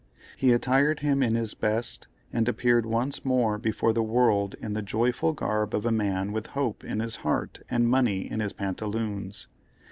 He attired him in his best, and appeared once more before the world in the joyful garb of a man with Hope in his heart and money in his pantaloons.